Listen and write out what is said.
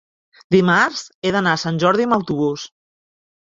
Dimarts he d'anar a Sant Jordi amb autobús.